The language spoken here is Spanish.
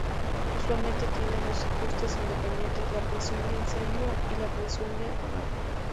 Usualmente tienen dos ajustes independientes: la presión de encendido y la presión de apagado.